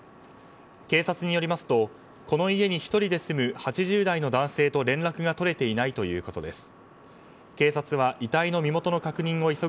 警察によりますとこの家に１人で住む８０代の男性と連絡が取れていない故障？